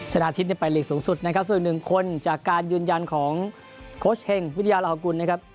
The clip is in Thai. ชนะทิพย์ไปหลีกสูงสุดนะครับส่วนอีกหนึ่งคนจากการยืนยันของโค้ชเฮงวิทยาลาฮกุลนะครับ